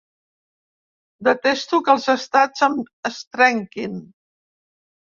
Detesto que els estats es trenquin.